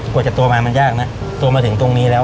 กว่าจะตัวมามันยากนะตัวมาถึงตรงนี้แล้ว